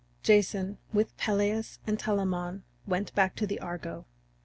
Jason, with Peleus and Telamon, went back to the Argo.